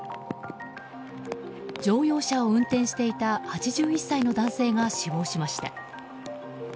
乗用車を運転していた８１歳の男性が死亡しました。